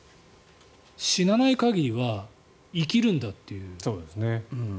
死なない限りは生きるんだという。